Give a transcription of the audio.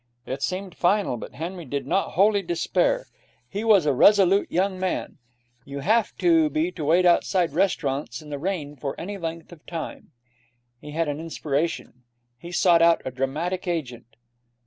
It seemed final, but Henry did not wholly despair. He was a resolute young man. You have to be to wait outside restaurants in the rain for any length of time. He had an inspiration. He sought out a dramatic agent.